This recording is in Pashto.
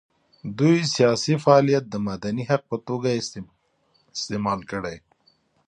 دوی سیاسي فعالیت د مدني حق په توګه استعمال کړي.